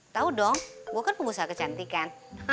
tau dong gue kan pengusaha kecantikan